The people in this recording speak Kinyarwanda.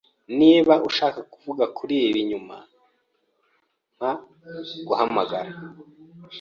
Niba ushaka kuvuga kuri ibi nyuma, mpa guhamagara.